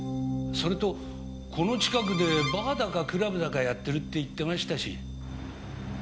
それとこの近くでバーだかクラブだかやってるって言ってましたし。